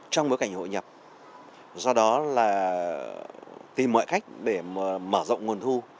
trong bối cảnh hội nhập do đó là tìm mọi cách để mở rộng nguồn thu